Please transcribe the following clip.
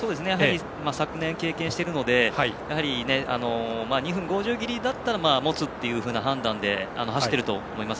昨年、経験しているので２分５０ギリだったらもつという判断で走っていると思います。